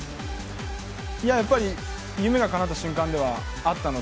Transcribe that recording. いややっぱり夢がかなった瞬間ではあったので。